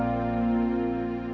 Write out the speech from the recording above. saya seperti orang cuando aget sekali